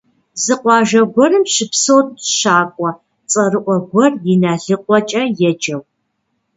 Зы къуажэ гуэрым щыпсэурт щакӀуэ цӀэрыӀуэ гуэр ИналыкъуэкӀэ еджэу.